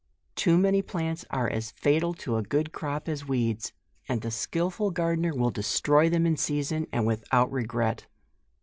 Too many plants are as fatal to a good crop as weeds, and the skilful gardener will de stroy them in season, and without regret.